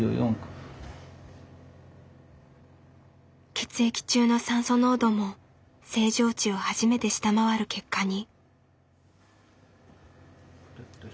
血液中の酸素濃度も正常値を初めて下回る結果に。